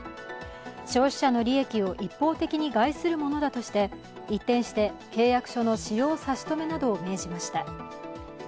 消費者の利益を一方的に害するものだとして一転して、契約書の使用差し止めなどを命じました。